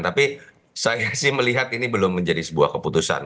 tapi saya sih melihat ini belum menjadi sebuah keputusan